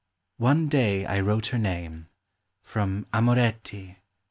ONE DAY I WROTE HER NAME FROM u AMOHETTI."